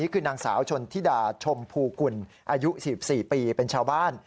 คือนางสาวชนธิดาชมภูกุลอายุ๔๔ปีเป็นชาวบ้าน